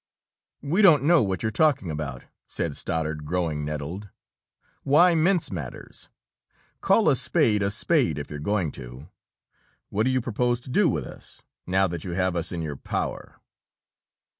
"We don't know what you're talking about," said Stoddard growing nettled. "Why mince matters? Call a spade a spade, if you're going to! What do you propose to do with us, now that you have us in your power?"